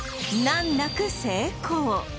難なく成功！